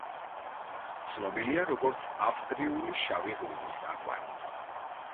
ცნობილია როგორც ავსტრიული შავი ღვინის აკვანი.